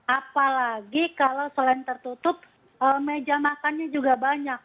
apalagi kalau selain tertutup meja makannya juga banyak